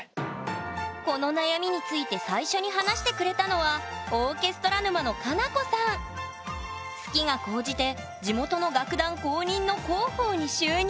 この悩みについて最初に話してくれたのは好きが高じて地元の楽団公認の広報に就任。